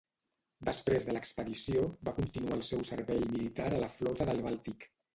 Després de l'expedició, va continuar el seu servei militar a la Flota del Bàltic.